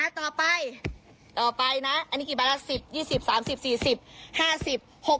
ต่อไปต่อไปนะอันนี้กี่บาทละ๑๐๒๐๓๐๔๐๕๐บาท